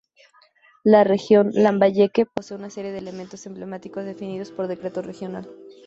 La Región Lambayeque posee una serie de elementos emblemáticos definidos por decreto regional.